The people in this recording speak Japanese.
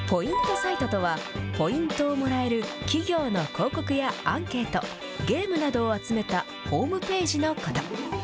サイトとは、ポイントをもらえる企業の広告やアンケート、ゲームなどを集めたホームページのこと。